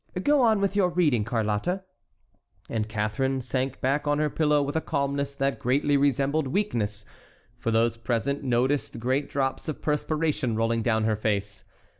Go on with your reading, Carlotta." And Catharine sank back on her pillow with a calmness that greatly resembled weakness, for those present noticed great drops of perspiration rolling down her face.